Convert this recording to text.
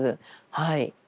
はい。